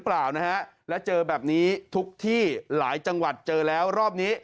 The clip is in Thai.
เปล่านะฮะแล้วเจอแบบนี้ทุกที่หลายจังหวัดเจอแล้วรอบนี้